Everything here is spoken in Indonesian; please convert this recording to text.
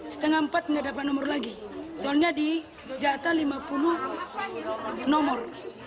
setengah empat tidak dapat nomor lagi soalnya di jatah lima puluh nomor